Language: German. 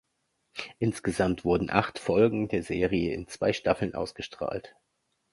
Insgesamt wurden acht Folgen der Serie in zwei Staffeln ausgestrahlt.